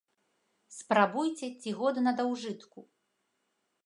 Спрабуйце, ці годна да ўжытку.